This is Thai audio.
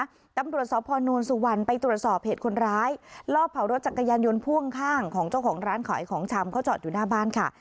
ตำรวจสพนสุวรรณไปตรวจสอบเหตุคนร้ายลอบเผารถจักรยานยนต์พ่วงข้างของเจ้าของร้านขายของชำเขาจอดอยู่หน้าบ้านค่ะ